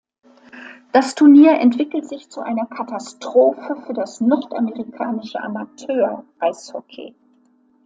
Das Turnier entwickelt sich zu einer Katastrophe für das nordamerikanische Amateur-Eishockey.